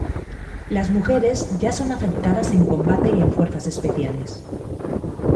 Las mujeres ya son aceptadas en combate y en fuerzas especiales.